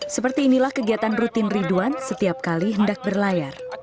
seperti inilah kegiatan rutin ridwan setiap kali hendak berlayar